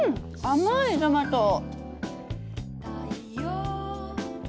甘いトマト。